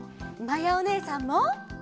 まやおねえさんも！